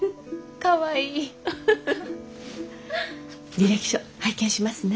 履歴書拝見しますね。